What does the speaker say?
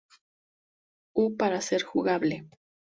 U para ser jugable.